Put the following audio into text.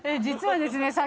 実はですね